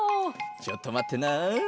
ちょっとまってな。